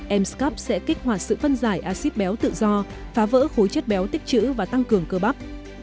mscup sẽ kích hoạt sự phân giải acid béo tự do phá vỡ khối chất béo tích chữ và tăng cường cơ bắp